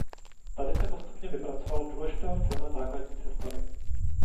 Tady se postupně vypracoval v důležitého člena základní sestavy.